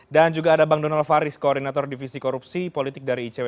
dan juga ada bang donald faris koordinator divisi korupsi politik dari icw